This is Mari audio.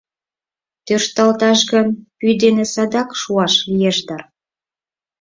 Тӧршталташ гын, пӱй дене садак шуаш лиеш дыр.